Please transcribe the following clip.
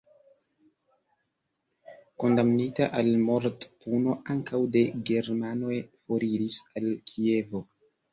Kondamnita al mortpuno ankaŭ de germanoj, foriris al Kievo.